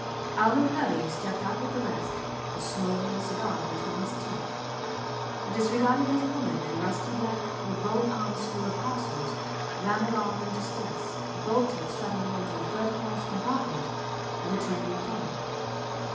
Alvan Hervey stepped out with the rest, a smouldering cigar between his teeth. A disregarded little woman in rusty black, with both arms full of parcels, ran along in distress, bolted suddenly into a third class compartment and the train went on.